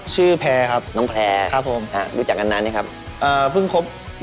ชื่อแคร์ครับครับผม